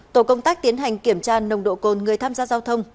tổ công tác tiến hành kiểm tra nồng độ cồn người tham gia giao thông